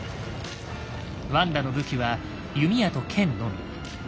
ワンダの武器は弓矢と剣のみ。